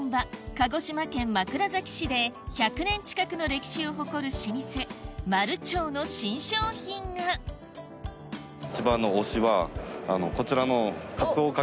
鹿児島県枕崎市で１００年近くの歴史を誇る老舗まるちょうの新商品がこちらの。